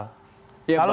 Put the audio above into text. kalau buat melakukan riset